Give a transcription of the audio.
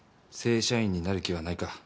正社員になる気はないか？